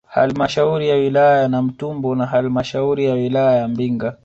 Halmashauri ya wilaya ya Namtumbo na halmashauri ya wilaya ya Mbinga